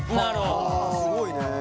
すごいね。